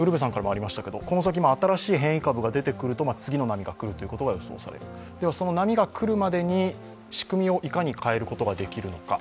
この先も新しい変異株が出てくると次の波が来ることが予想される、その波が来るまでに仕組みをいかに変えることができるのか。